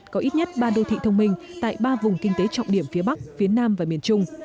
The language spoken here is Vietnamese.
có ít nhất ba đô thị thông minh tại ba vùng kinh tế trọng điểm phía bắc phía nam và miền trung